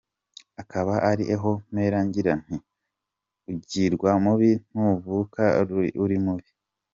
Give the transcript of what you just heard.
Akaba ari aho mpera ngira nti: Ugirwa mubi ntuvuka uri mubi.